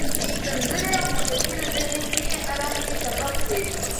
سندرې او موسیقي د ذهني آرامۍ سبب دي.